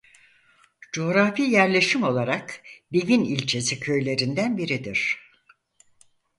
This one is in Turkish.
Coğrafi yerleşim olarak Devin ilçesi köylerinden biridir.